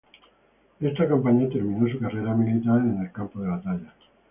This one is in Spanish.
Esta campaña terminó su carrera militar en el campo de batalla.